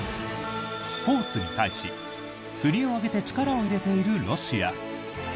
スポーツに対し、国を挙げて力を入れているロシア。